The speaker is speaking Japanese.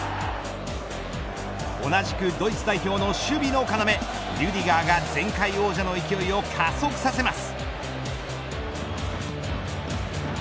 同じくドイツ代表の守備の要リュディガーが前回王者の勢いを加速させます。